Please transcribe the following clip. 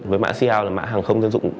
với mã icao là mã hàng không dân dụng